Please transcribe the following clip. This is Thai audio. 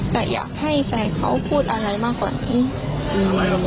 แต่อยากให้แฟนเขาพูดอะไรมากกว่านี้อืม